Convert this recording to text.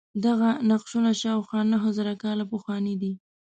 دغه نقشونه شاوخوا نهه زره کاله پخواني دي.